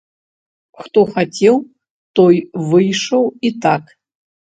Хто хацеў, той выйшаў і так.